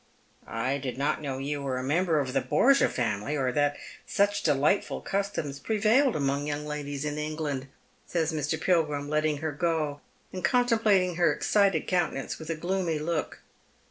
"I did not know you were a member of the Borgia family, or that such delightful customs prevailed among young ladies in England," says Mr. Pilgrim, letting her go, and contemplating her excited countenance with a gloomy look.